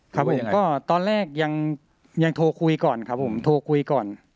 ครับผมก็ตอนแรกยังโทรคุยก่อนครับผมโทรคุยก่อน